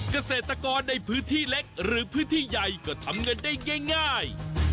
เกษตรกรในพื้นที่เล็กหรือพื้นที่ใหญ่ก็ทำเงินได้ง่าย